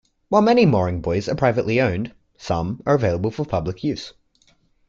While many mooring buoys are privately owned, some are available for public use.